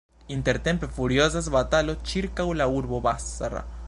Intertempe furiozas batalo ĉirkaŭ la urbo Basra.